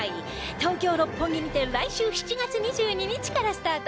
東京六本木にて来週７月２２日からスタート